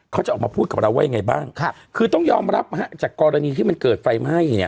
เขาจะออกมาพูดกับเราว่ายังไงบ้างคือต้องยอมรับจากกรณีที่มันเกิดไฟไหม้เนี่ย